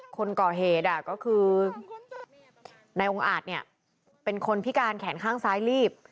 คนก่อเหตุก็คือนายองค์อาจเนี่ยเป็นคนพิการแขนข้างซ้ายลีบ